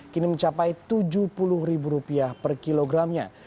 kini mencapai rp tujuh puluh per kilogramnya